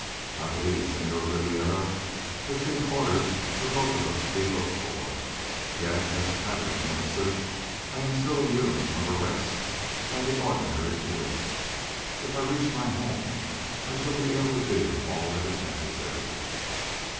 I believe Senhor Ribiera has given orders for us both to be looked for, yet as a Cabinet Minister I am still immune from arrest by the ordinary police. If I reach my home I shall be able to do all that is necessary."